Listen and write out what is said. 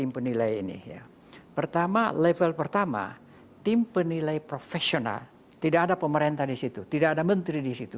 pertama level pertama tim penilai profesional tidak ada pemerintah disitu tidak ada menteri disitu